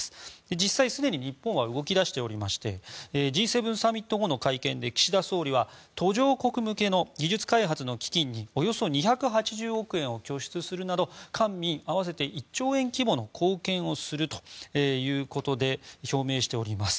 実際にすでに日本は動き出しておりましてＧ７サミット後の会見で岸田総理は途上国向けの技術開発の基金におよそ２８０億円を拠出するなど官民合わせて１兆円規模の貢献をするということで表明をしています。